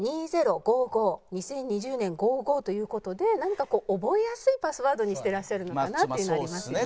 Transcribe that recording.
「２０２０年ＧＯＧＯ」という事で何かこう覚えやすいパスワードにしてらっしゃるのかなっていうのありますよね。